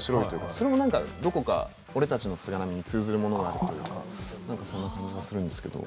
それもどこか「俺たちの菅波」に通じるものがあるような気がするんですけど。